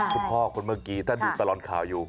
คุณพ่อคนเมื่อกี้ถ้าดูตลอดข่าวอยู่